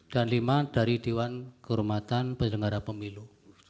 dan lima dari dewan kehormatan pendengara pemilu